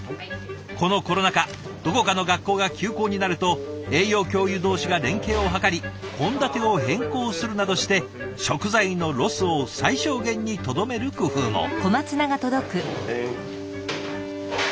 このコロナ禍どこかの学校が休校になると栄養教諭同士が連携を図り献立を変更するなどして食材のロスを最小限にとどめる工夫も。